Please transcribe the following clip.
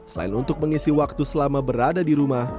selain untuk mengisi waktu selama berada di rumah